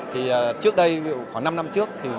trước đây khoảng năm năm trước